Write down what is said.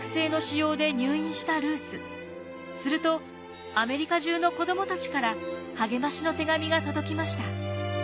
するとアメリカ中の子どもたちから励ましの手紙が届きました。